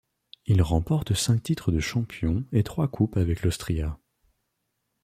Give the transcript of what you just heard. Il remporte cinq titres de champion et trois Coupes avec l'Austria.